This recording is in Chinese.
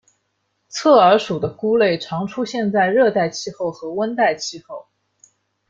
侧耳属的菇类常出现在热带气候和温带气候。